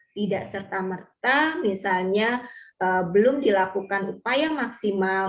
tidak serta merta misalnya belum dilakukan upaya maksimal